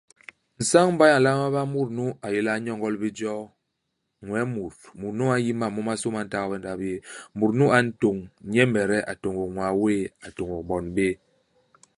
Nsañ-mbay a nlama ba mut nu a yé le a nyogol bé joo ; ñwee mut. Mut nu a n'yi mam momasô ma ntagbe i ndap yéé. Mut nu a ntôñ nyemede, a tôñôk ñwaa wéé, a tôñôk bon béé.